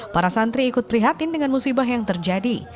para santri ikut prihatin dengan musibah yang terjadi